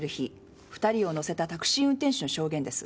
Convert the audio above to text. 二人を乗せたタクシー運転手の証言です。